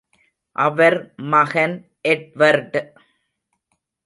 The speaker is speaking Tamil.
அவர் மகன் எட்வர்ட்.